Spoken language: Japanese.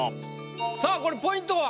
さあこれポイントは？